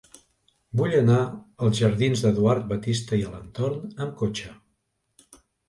Vull anar als jardins d'Eduard Batiste i Alentorn amb cotxe.